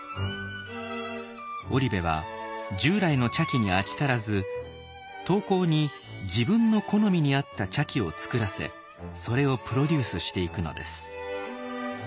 織部は従来の茶器に飽き足らず陶工に自分の好みにあった茶器を作らせそれをプロデュースしていくのです。